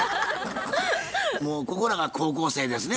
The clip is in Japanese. もうここらが高校生ですね